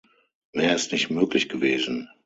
Mehr ist nicht möglich gewesen.